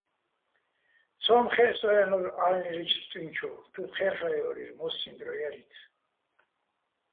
ცო́მ ხე́ჸ სო́ჼ-აჲლ'ნო́რ ო ა́ლნირეჩო̆ ფსტუჲნჩოვ, თურ ჴე́რლ'აჲო́ლიჼ, მო́სსიჼ დრო ჲარი́ცი̆.